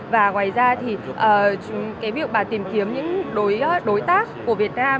và ngoài ra thì cái việc bà tìm kiếm những đối tác của việt nam